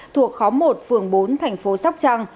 thuộc khóa một phường bốn thành phố sóc trăng